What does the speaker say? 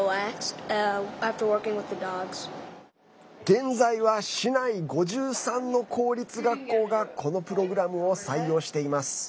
現在は市内５３の公立学校がこのプログラムを採用しています。